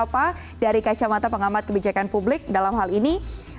apa dari kacamata pengamat kebijakan publik dalam hal ini